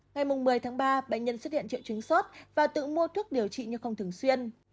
ngày một mươi tháng ba bệnh nhân xuất hiện triệu chứng sốt và tự mua thuốc điều trị như không thường xuyên